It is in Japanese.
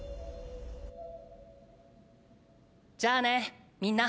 じゃあねみんな。